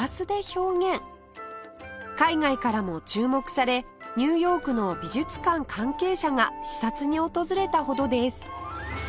海外からも注目されニューヨークの美術館関係者が視察に訪れたほどです